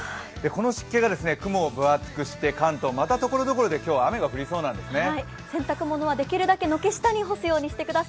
この湿気が雲を分厚くして関東はまたところどころで雨が降りそう何ですね。